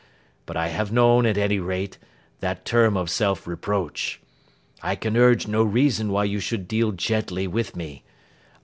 But I have known, at any rate, that term of self reproach. I can urge no reason why you should deal gently with me.